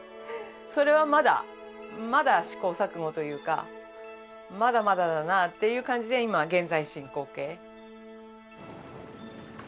それはまだまだ試行錯誤というかまだまだだなっていう感じで今現在進行形。